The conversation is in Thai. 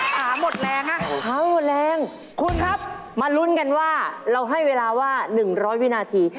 ขาหมดแรงฮะแรงคุณครับมาลุ้นกันว่าเราให้เวลาว่า๑๐๐วินาที